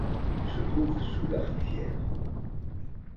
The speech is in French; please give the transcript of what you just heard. Il se trouve sous la rivière.